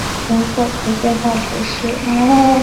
圣卡拉代克特雷戈梅勒人口变化图示